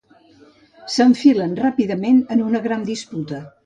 S'enfilen ràpidament en una gran disputa.